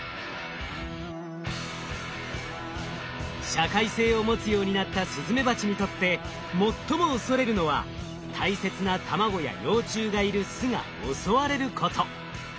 社会性を持つようになったスズメバチにとって最も恐れるのは大切な卵や幼虫がいる巣が襲われること。